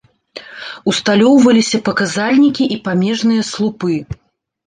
Усталёўваліся паказальнікі і памежныя слупы.